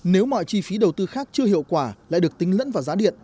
nếu mọi chi phí đầu tư khác chưa hiệu quả lại được tính lẫn vào giá điện